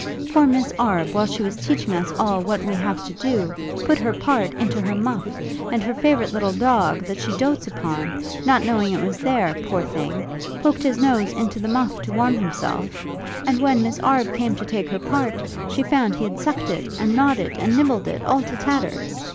Poor Miss Arbe, while she was teaching us all what we have to do, put her part into her muff, and her favourite little dog, that she doats upon, not knowing it was there, poor thing, poked his nose into the muff to warm himself; and when Miss Arbe came to take her part, she found he had sucked it, and gnawed it, and nibbled it, all to tatters!